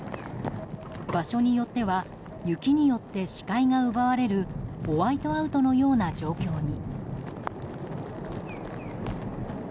場所によっては雪によって視界が奪われるホワイトアウトのような状況に。